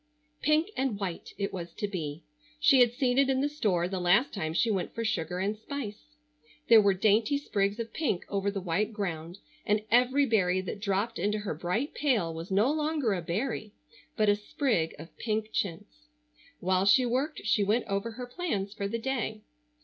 Pink and white it was to be; she had seen it in the store the last time she went for sugar and spice. There were dainty sprigs of pink over the white ground, and every berry that dropped into her bright pail was no longer a berry but a sprig of pink chintz. While she worked she went over her plans for the day.